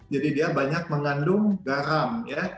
jadi dia banyak mengandung garam ya